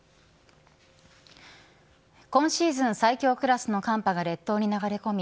今シーズン最強クラスの寒波が列島に流れ込み